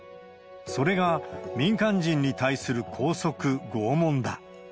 それが民間人に対する拘束、拷問だ。